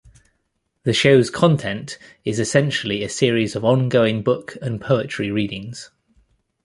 The show's content is essentially a series of ongoing book and poetry readings.